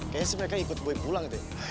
kayaknya sih mereka ikut gue pulang gitu ya